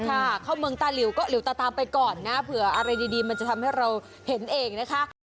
เข้าเมืองตาหลิวก็หลิวตาตามไปก่อนนะเผื่ออะไรดีมันจะทำให้เราเห็นเองนะคะ